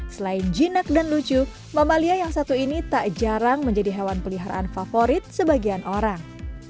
selain jinak dan lucu mamalia yang satu ini tak jarang menjadi hewan peliharaan favorit sebagian orang